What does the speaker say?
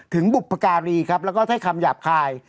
บุพการีครับแล้วก็ถ้อยคำหยาบคาย